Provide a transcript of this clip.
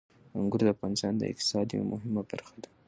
انګور د افغانستان د اقتصاد یوه مهمه برخه ده.